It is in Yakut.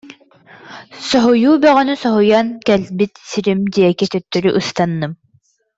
Соһуйуу бөҕөнү соһуйан, кэлбит сирим диэки төттөрү ыстанным